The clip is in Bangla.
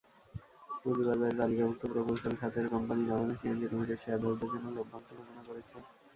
পুঁজিবাজারে তালিকাভুক্ত প্রকৌশল খাতের কোম্পানি নাভানা সিএনজি লিমিটেড শেয়ারধারীদের জন্য লভ্যাংশ ঘোষণা করেছে।